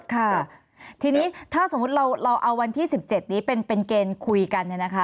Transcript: ค่ะทีนี้ถ้าสมมุติเราเอาวันที่๑๗นี้เป็นเกณฑ์คุยกันเนี่ยนะคะ